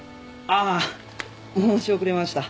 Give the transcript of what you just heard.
ああ申し遅れました。